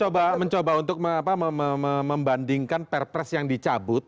saya mencoba untuk membandingkan perpres yang dicabut